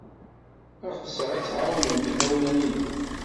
Ɣseɣ ad tɛawnemt imawlan-inu.